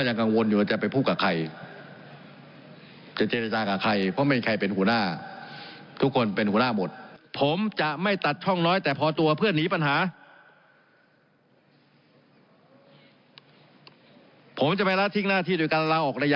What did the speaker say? ท่านสมาชิกและพี่น้องผู้ชนชาวไทยทุกคนนะครับ